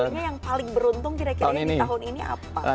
artinya yang paling beruntung kira kira di tahun ini apa